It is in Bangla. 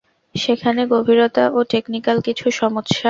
সেখানে গভীরতা ও টেকনিক্যাল কিছু সমস্যা আছে।